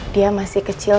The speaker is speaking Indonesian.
dia masih kecil